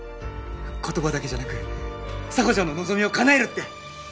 言葉だけじゃなく沙帆ちゃんの望みを叶えるって！